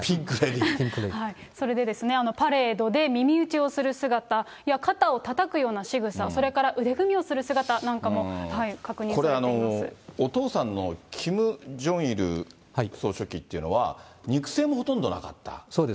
それでパレードで耳打ちをする姿、肩をたたくようなしぐさ、それから腕組みをする姿なんかもこれ、お父さんのキム・ジョンイル総書記というのは肉声もほとんどなかった。